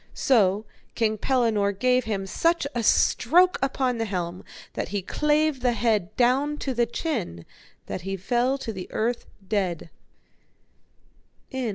So King Pellinore gave him such a stroke upon the helm that he clave the head down to the chin, that he fell to the earth dead.